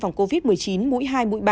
phòng covid một mươi chín mũi hai mũi ba